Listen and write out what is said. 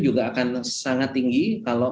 juga akan sangat tinggi kalau